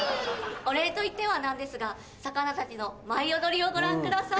お礼といっては何ですが魚たちの舞い踊りをご覧ください。